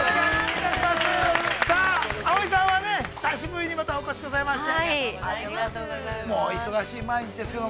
さあ、葵さんは、久しぶりにまたお越しいただきまして。